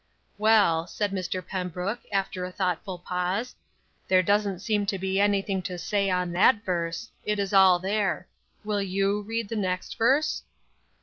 '" "Well," said Mr. Pembrook, after a thoughtful pause, "there doesn't seem to be anything to say on that verse; it is all there. Will you read the next verse?"